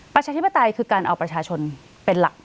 ประชาธิปไตยคือการเอาประชาชนเป็นหลัก